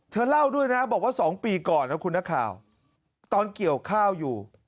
เล่าด้วยนะบอกว่า๒ปีก่อนนะคุณนักข่าวตอนเกี่ยวข้าวอยู่